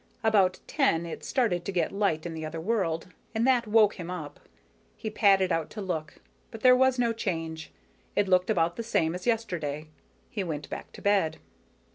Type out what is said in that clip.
About ten it started to get light in the other world, and that woke him up. He padded out to look, but there was no change, it looked about the same as yesterday. He went back to bed.